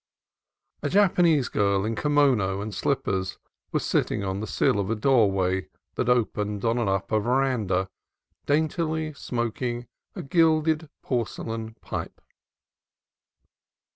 A Japanese girl in kimono and slippers was sitting on the sill of a doorway that opened on an upper veranda, daintily smoking a gilded porcelain pipe.